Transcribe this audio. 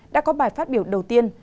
đã có bài phát biểu đầu tiên